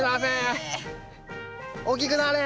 大きくなれ！